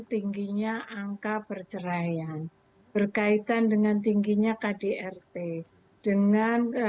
tingginya angka perceraian berkaitan dengan tingginya kdrt hai dengan kenikalan tak ragam